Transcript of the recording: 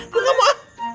gue gak mau ah